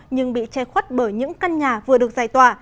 nhưng bị che khuất bởi những căn nhà vừa được giải tỏa